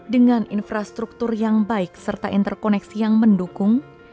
dengan infrastruktur yang baik serta interkoneksi yang mendukung